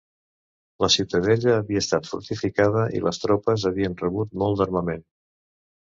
La ciutadella havia estat fortificada i les tropes havien rebut molt d'armament.